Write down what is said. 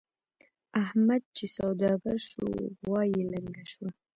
احمد چې سوداګر شو؛ غوا يې لنګه شوه.